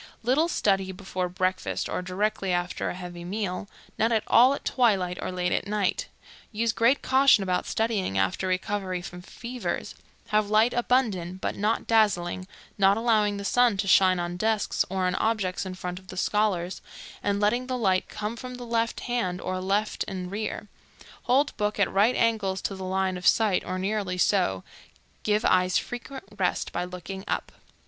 Little study before breakfast or directly after a heavy meal; none at all at twilight or late at night; use great caution about studying after recovery from fevers; have light abundant, but not dazzling, not allowing the sun to shine on desks or on objects in front of the scholars, and letting the light come from the left hand or left and rear; hold book at right angles to the line of sight or nearly so; give eyes frequent rest by looking up.